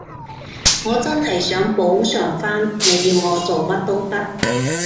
我真係想補償返，你要我做乜都得